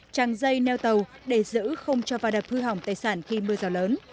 chẳng dây neo tàu để giữ không cho vào đặt hư hỏng tài sản khi mưa gió lớn